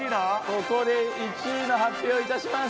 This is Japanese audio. ここで１位の発表を致します。